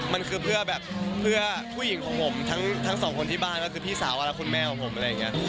มันคือเพื่อแบบเพื่อผู้หญิงของผมทั้งสองคนที่บ้านก็คือพี่สาวและคุณแม่ของผมอะไรอย่างนี้